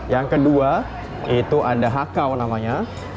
yang kedua itu ada hakau namanya